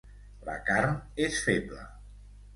La carn és feble.